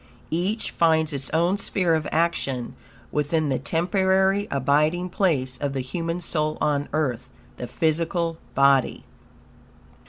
Each finds it own sphere of action within the temporary abiding place of the human soul on earth the physical body.